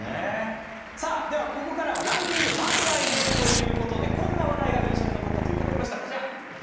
ここからはランキング番外編ということでこんな話題が印象に残ったという方がいました。